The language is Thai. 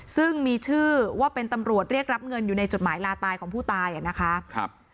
ซึ่งมีชื่อว่าเป็นตำรวจเรียกรับเงินอยู่ในจดหมายลาตายของผู้ตายอ่ะนะคะ